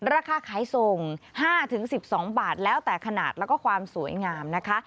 ราคาขายส่ง๕๑๒บาทแล้วแต่ขนาดแล้วก็ความสวยงามนะคะ